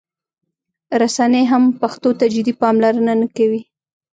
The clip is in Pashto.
رسنۍ هم پښتو ته جدي پاملرنه نه کوي.